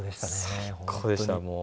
最高でしたもう。